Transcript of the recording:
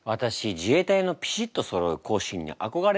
自衛隊のピシッとそろう行進にあこがれるの。